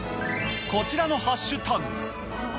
こちらのハッシュタグ。